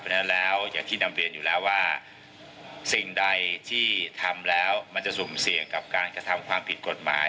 เพราะฉะนั้นแล้วอย่างที่นำเรียนอยู่แล้วว่าสิ่งใดที่ทำแล้วมันจะสุ่มเสี่ยงกับการกระทำความผิดกฎหมาย